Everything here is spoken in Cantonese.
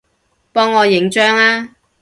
幫我影張吖